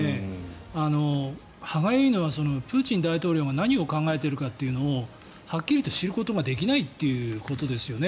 歯がゆいのはプーチン大統領が何を考えているかをはっきり知ることができないということですよね。